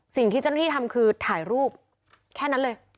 สิ่งที่เจ้าหน้าที่ทำคือถ่ายรูปแค่นั้นเลย